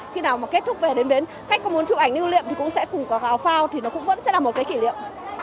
khi nào mà kết thúc về đêm đến khách có muốn chụp ảnh lưu niệm thì cũng sẽ cùng có áo phao thì nó cũng vẫn sẽ là một cái kỷ niệm